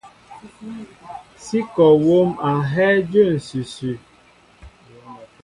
Sí kɔ wóm a hɛ́ɛ́ jə̂ ǹsʉsʉ.